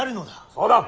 そうだ！